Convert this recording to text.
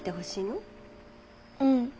うん。